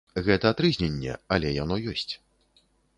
Гэта трызненне, але яно ёсць.